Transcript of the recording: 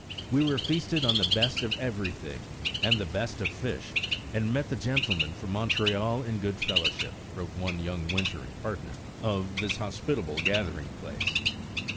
''We were feasted on the best of every thing, and the best of fish, and met the gentlemen from Montreal in good fellowship," wrote one young winter ing partner, of this hospitable gathering place.